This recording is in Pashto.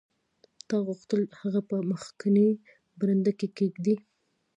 تا غوښتل هغه په مخکینۍ برنډه کې کیږدې